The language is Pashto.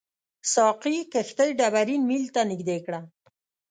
ساقي کښتۍ ډبرین میل ته نږدې کړه.